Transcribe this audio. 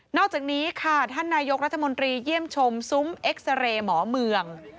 อกจากนี้ค่ะท่านนายกรัฐมนตรีเยี่ยมชมซุ้มเอ็กซาเรย์หมอเมือง